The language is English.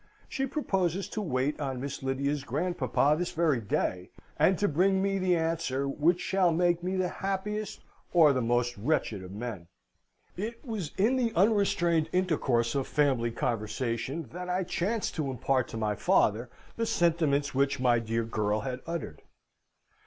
She proposes to wait on Miss Lydia's grandpapa this very day, and to bring me the answer, which shall make me the happiest or the most wretched of men! It was in the unrestrained intercourse of family conversation that I chanced to impart to my father the sentiments which my dear girl had uttered.